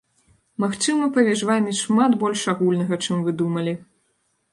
Магчыма, паміж вамі шмат больш агульнага, чым вы думалі!